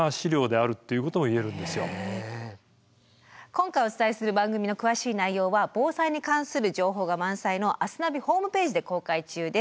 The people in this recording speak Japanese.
今回お伝えする番組の詳しい内容は防災に関する情報が満載の「明日ナビ」ホームページで公開中です。